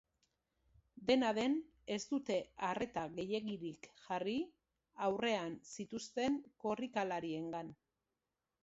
Dena den, ez dute arreta gehiegirik jarri aurrean zituzten korrikalariengan.